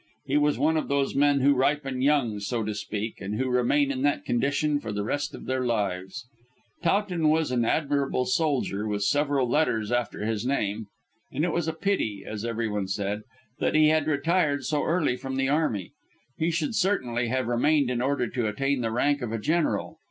He was one of those men who ripen young, so to speak, and who remain in that condition for the rest of their lives. Towton was an admirable soldier, with several letters after his name, and it was a pity as everyone said that he had retired so early from the army. He should certainly have remained in order to attain to the rank of a general.